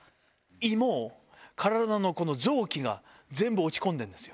胃も、体のこの臓器が全部落ち込んでるんですよ。